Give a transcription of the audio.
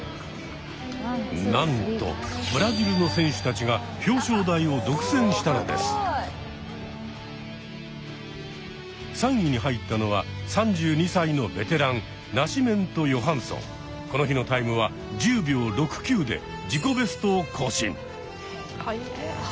なんとブラジルの選手たちが３位に入ったのは３２歳のベテランこの日のタイムは１０秒６９で自己ベストを更新。